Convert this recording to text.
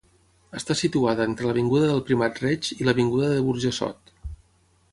Està situada entre l'avinguda del Primat Reig i l'avinguda de Burjassot.